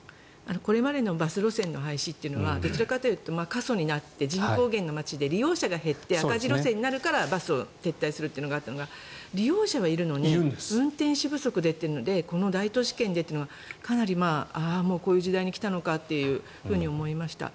これまでのバス路線の廃止というのはどちらかというと過疎になって人口減の街で利用者が減って赤字路線になるからバスが撤退するというのがあったのが利用者はいるのに運転手不足でというのでこの大都市圏でというのはかなりこういう時代に来たのかと思いました。